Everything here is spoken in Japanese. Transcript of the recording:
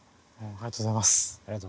ありがとうございます。